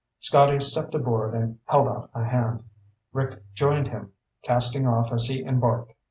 Scotty stepped aboard and held out a hand. Rick joined him, casting off as he embarked.